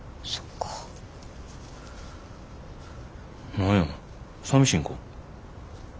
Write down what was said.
何やさみしいんか？